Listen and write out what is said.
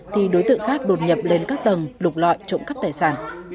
thì đối tượng khác đột nhập lên các tầng lục lọi trộm cắp tài sản